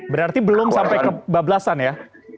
berarti belum sampai ke bablasan ya